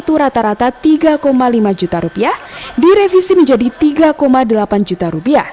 rp satu rata rata rp tiga lima juta direvisi menjadi rp tiga delapan juta